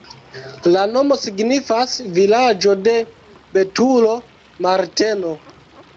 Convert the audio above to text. La nomo signifas vilaĝo-de-betulo-Marteno.